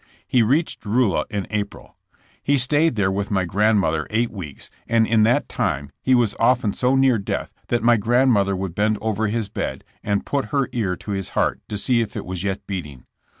He reached Rulla in April. He stayed there with my grandmother eight weeks, and in that time he was often so near death that my grand mother would bend over his bed and put her ear to his heart to see if it was yet beating.